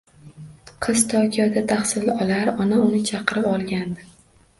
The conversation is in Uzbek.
Qiz Tokioda tahsil olar, ona uni chaqirib olgandi